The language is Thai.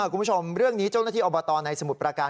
คุณผู้ชมเรื่องนี้เจ้าหน้าที่อบตในสมุทรประการ